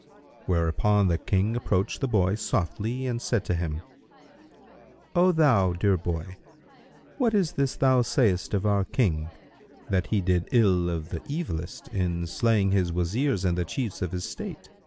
Hereupon the King approached the boy softly and said to him, "O thou dear boy, what is this thou sayest of our King, that he did ill of the evilest in slaying his Wazirs and the Chiefs of his State?